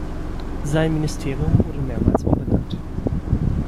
Sein Ministerium wurde mehrmals umbenannt.